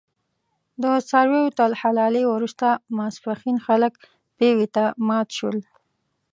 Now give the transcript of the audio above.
د څارویو تر حلالې وروسته ماسپښین خلک پېوې ته مات شول.